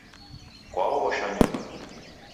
Kwaoghosha Nyumba.